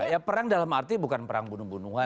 ya perang dalam arti bukan perang bunuh bunuhan